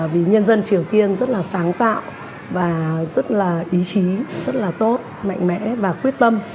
vì nhân dân triều tiên rất là sáng tạo và rất là ý chí rất là tốt mạnh mẽ và quyết tâm